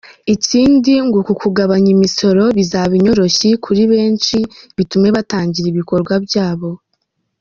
Ikindi ngo uku kugabanya imisoro bizaba inyoroshyo kuri benshi bitume batangira ibikorwa byabo.